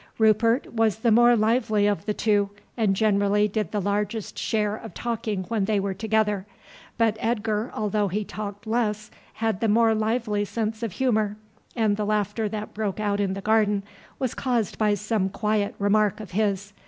Rupert was the more lively of the two, and generally did the largest share of talking when they were together; but Edgar, although he talked less, had the more lively sense of humour, and the laughter that broke out in the garden was caused by some quiet remark of his.